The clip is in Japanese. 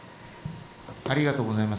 ありがとうございます。